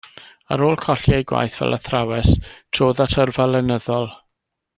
Ar ôl colli ei gwaith fel athrawes trodd at yrfa lenyddol.